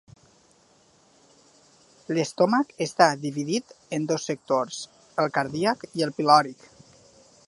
L'estómac està dividit en dos sectors: el cardíac i el pilòric.